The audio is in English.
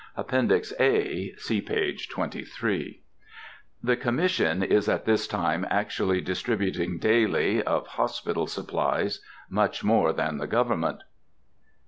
APPENDIX A. See page 23. "_The Commission is at this time actually distributing daily, of hospital supplies, much more than the government.